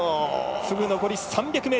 フグ、残り３００ｍ。